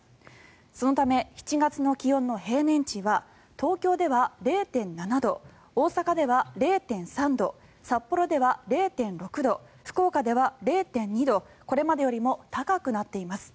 そのため７月の気温の平年値は東京では０．７度大阪では０．３度札幌では０．６度福岡では０．２度これまでよりも高くなっています。